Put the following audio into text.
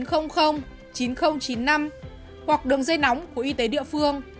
hoặc đường dây nóng của y tế địa phương